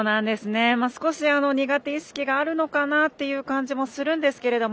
少し苦手意識があるのかなっていう感じもするんですけど